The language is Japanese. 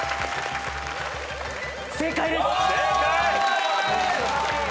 正解です！